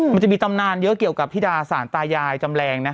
มันจะมีตำนานเยอะเกี่ยวกับธิดาสารตายายจำแรง